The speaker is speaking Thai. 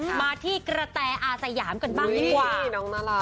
มาที่กระแตอาสยามกันบ้างดีกว่า